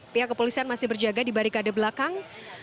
pihak kepolisian masih berjaga di barikade belakang